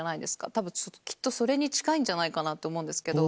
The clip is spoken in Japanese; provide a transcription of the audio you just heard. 多分きっとそれに近いんじゃないかなと思うんですけど。